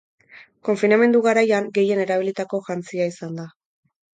Konfinamendu garaian gehien erabilitako jantzia izan da.